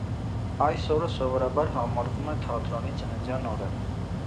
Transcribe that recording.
Այս օրը սովորաբար համարվում է թատրոնի ծննդյան օրը։